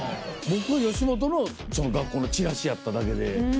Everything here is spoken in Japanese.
僕吉本の学校のチラシやっただけで。